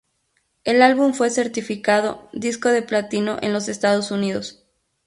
El álbum fue certificado disco de platino en los Estados Unidos.